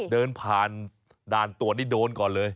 เดินผ่านด่านตรวจนี่โดนก่อนเลย